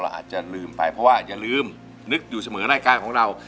อาจจะลืมไปเพราะว่าอย่าลืมนึกอยู่เสมอรายการของเรา